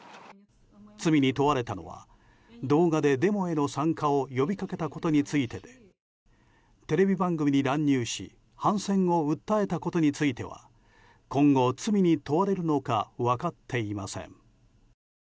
罪に問われたのは、動画でデモへの参加を呼び掛けたことについてでテレビ番組に乱入し反戦を訴えたことについては今後、罪に問われるのか分かっていません。